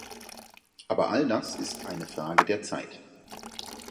Aber all das ist eine Frage der Zeit.